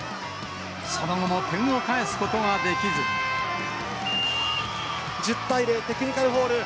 その後も点を返すことができ１０対０、テクニカルフォール。